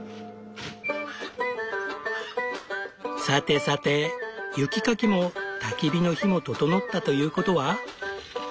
さてさて雪かきもたき火の火も調ったということは。